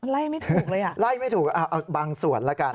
ไล่ไม่ถูกเลยอ่ะไล่ไม่ถูกเอาบางส่วนแล้วกัน